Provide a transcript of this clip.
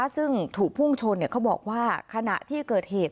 ซึ่งถูกพุ่งชนเขาบอกว่าขณะที่เกิดเหตุ